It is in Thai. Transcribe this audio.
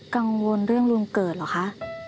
กังวลเรื่องลุงเกิดเหรอคะ